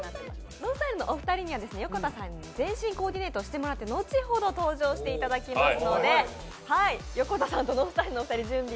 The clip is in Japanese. ＮＯＮＳＴＹＬＥのお二人には横田さんに全身コーディネートしていただいて後ほど登場していただきます。